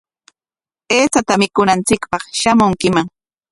Aychata mikunanchikpaq shamunkiman.